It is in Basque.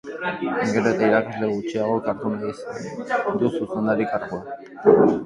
Gero eta irakasle gutxiagok hartu nahi du zuzendari kargua.